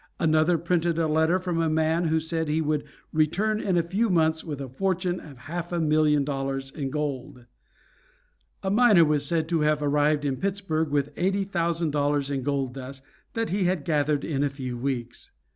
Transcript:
Another printed a letter from a man who said he would return in a few months with a fortune of half a million dollars in gold. A miner was said to have arrived in Pittsburgh with eighty thousand dollars in gold dust that he had gathered in a few weeks.